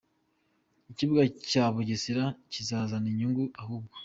Ikibuga cya Bugesera kizazana inyungu ahubwo….